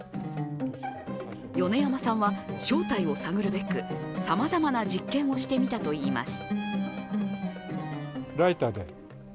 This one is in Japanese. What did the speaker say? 米山さんは正体を探るべくさまざまな実験をしてみたといいます。